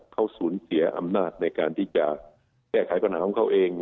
เขาสูญเสียอำนาจในการที่จะแก้ไขปัญหาของเขาเอง